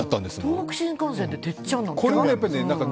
東北新幹線って、鉄っちゃんですか？